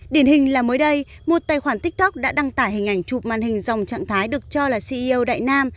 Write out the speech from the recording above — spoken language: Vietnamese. điển hình là mới đây một tài khoản tiktok đã đăng tải hình ảnh chụp màn hình dòng trạng thái được cho là ceo đại nam